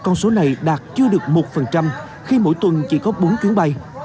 ngày đạt chưa được một khi mỗi tuần chỉ có bốn chuyến bay